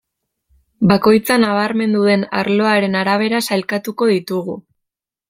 Bakoitza nabarmendu den arloaren arabera sailkatuko ditugu.